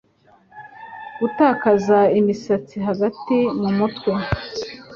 Gutakaza imisatsi hagati mumutwe